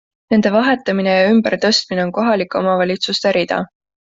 Nende vahetamine ja ümber tõstmine on kohalike omavalitsuste rida.